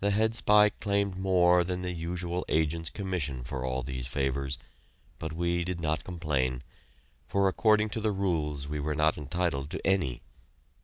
The head spy claimed more than the usual agent's commission for all these favors, but we did not complain, for according to the rules we were not entitled to any.